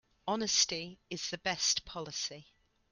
Honesty is the best policy.